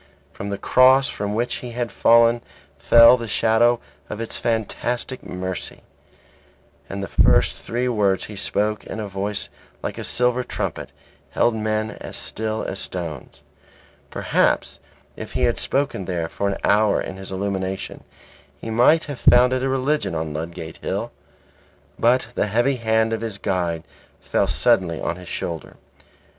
From the Cross from which he had fallen fell the shadow of its fantastic mercy; and the first three words he spoke in a voice like a silver trumpet, held men as still as stones. Perhaps if he had spoken there for an hour in his illumination he might have founded a religion on Ludgate Hill. But the heavy hand of his guide fell suddenly on his shoulder.